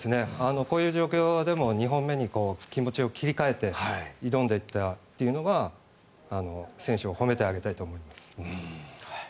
こういう状況でも２本目に気持ちを切り替えて挑んでいったというのが選手を褒めてあげたいと思います。